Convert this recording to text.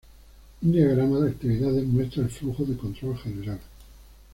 Un diagrama de actividades muestra el flujo de control general.